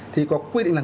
thì có quy định là